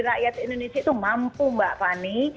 rakyat indonesia itu mampu mbak fani